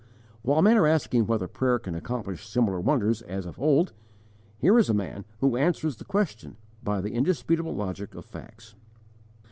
_ While men are asking whether prayer can accomplish similar wonders as of old, here is a man who answers the question by the indisputable logic of facts.